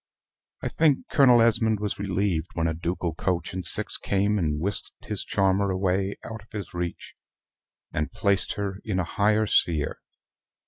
I think Colonel Esmond was relieved when a ducal coach and six came and whisked his charmer away out of his reach, and placed her in a higher sphere.